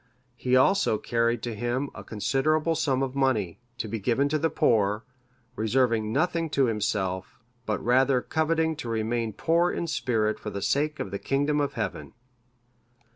He also carried to him a considerable sum of money, to be given to the poor, reserving nothing to himself, but rather coveting to remain poor in spirit for the sake of the kingdom of Heaven.